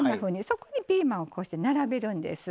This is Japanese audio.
そこにピーマンをこうして並べるんです。